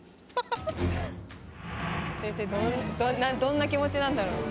先生どんな気持ちなんだろう？